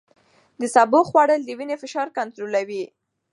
د سبو خوړل د وینې فشار کنټرولوي.